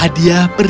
kadiah peri benigna